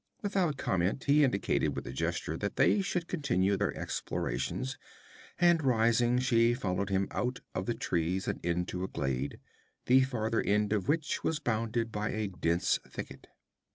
Without comment, he indicated with a gesture that they should continue their explorations, and rising, she followed him out of the trees and into a glade, the farther end of which was bounded by a dense thicket.